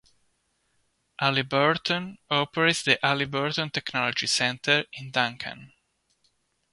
Halliburton operates the Halliburton Technology Center in Duncan.